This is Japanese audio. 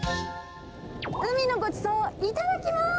海のごちそう、いただきまーす！